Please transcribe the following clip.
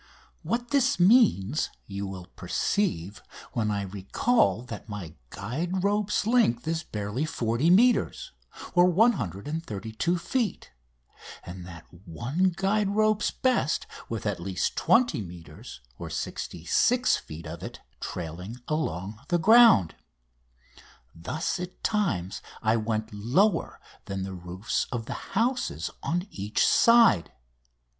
What this means you will perceive when I recall that my guide rope's length is barely 40 metres (132 feet), and that one guide ropes best with at least 20 metres (66 feet) of it trailing along the ground. Thus at times I went lower than the roofs of the houses on each side.